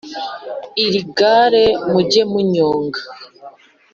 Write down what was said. iri gare mujya munyonga